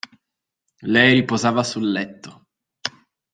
Lei riposava sul letto.